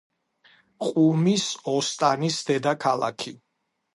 ყუმის ოსტანის დედაქალაქი.